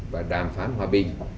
và đàm phán hòa bình